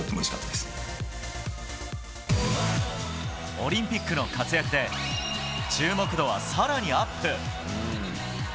オリンピックの活躍で注目度は更にアップ。